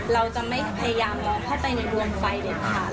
เราจะไม่พยายามเลิกเข้าไปในวงไฟเดียวกันค่ะ